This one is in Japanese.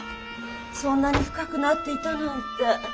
そんなに深くなっていたなんて。